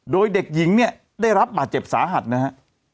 โดยเด็กหญิงเนี่ยได้รับบาดเจ็บสาหัสนะฮะ